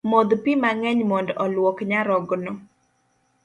Modh pi mang’eny mond oluok nyarogno